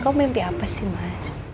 kau mimpi apa sih mas